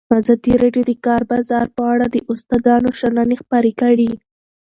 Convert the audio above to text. ازادي راډیو د د کار بازار په اړه د استادانو شننې خپرې کړي.